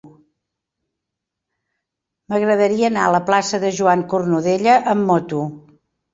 M'agradaria anar a la plaça de Joan Cornudella amb moto.